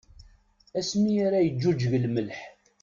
Asmi ara yeǧǧuǧǧeg lmelḥ.